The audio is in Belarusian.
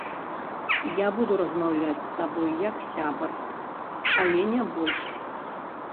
Я буду размаўляць з табой, як сябар, але не больш.